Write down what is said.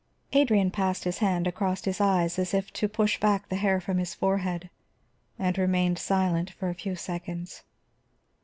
Adrian passed his hand across his eyes as if to push back the hair from his forehead, and remained silent for a few seconds.